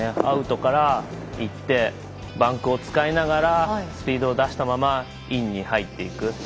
アウトからいってバンクを使いながらスピードを出したままインに入っていく。